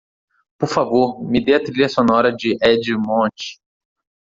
Por favor, me dê a trilha sonora de Edgemont.